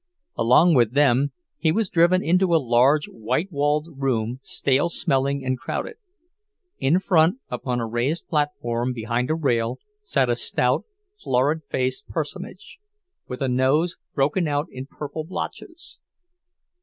Along with them he was driven into a large, white walled room, stale smelling and crowded. In front, upon a raised platform behind a rail, sat a stout, florid faced personage, with a nose broken out in purple blotches.